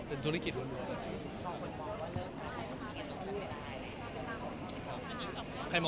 ไม่มีปัญหามันใจปะ